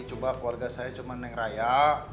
cuma keluarga saya cuma neng raya